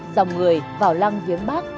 dòng người vào lăng viếng bác